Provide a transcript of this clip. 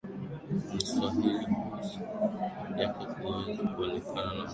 na swahili blues yake kuweza kuonekana na mpaka sasa hivi